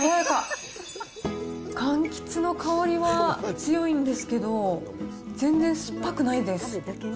かんきつの香りは強いんですけど、全然酸っぱくないです。